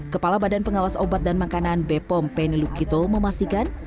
kepala badan pengawas obat dan makanan bepom penny lukito memastikan